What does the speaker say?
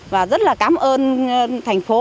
và rất là cảm ơn thành phố